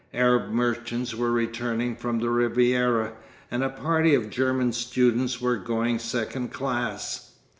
Arab merchants were returning from the Riviera, and a party of German students were going second class.